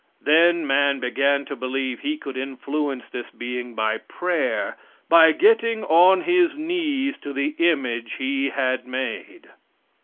Then man began to believe he could influence this being by prayer, by getting on his knees to the image he had made.